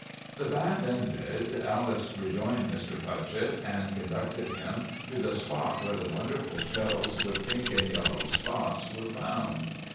The bath ended, Alice rejoined Mr. Putchett and conducted him to the spot where the wonderful shells with pink and yellow spots were found.